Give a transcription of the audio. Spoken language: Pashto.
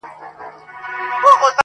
بیا به دی او خپله توره طویله سوه.!